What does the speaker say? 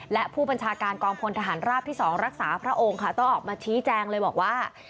และผู้บัญชาการกองพลทหารราบที่๒รักษาพระองค์ค่ะต้องออกมาชี้แจงเลยบอกว่า